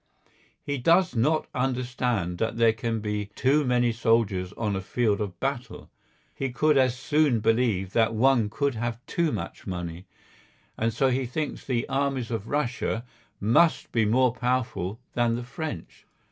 He does not understand that there can be too many soldiers on a field of battle; he could as soon believe that one could have too much money. And so he thinks the armies of Russia must be more powerful than the French.